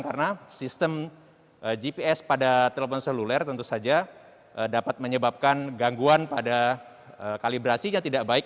karena sistem gps pada telepon seluler tentu saja dapat menyebabkan gangguan pada kalibrasinya tidak baik